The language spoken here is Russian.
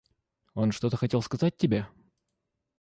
Он что-то хотел сказать тебе?